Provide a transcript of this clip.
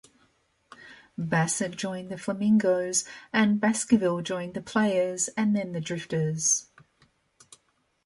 Bassett joined The Flamingos and Baskerville joined The Players and then The Drifters.